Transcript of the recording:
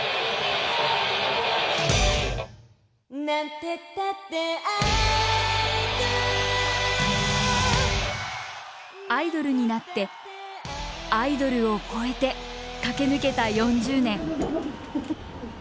「なんてたってアイドル」アイドルになってアイドルを超えて駆け抜けた４０年。